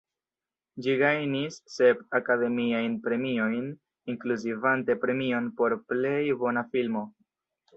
Ĝi gajnis sep Akademiajn Premiojn, inkluzivante premion por plej bona filmo.